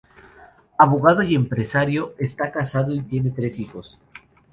Abogado y empresario, está casado y tiene tres hijos.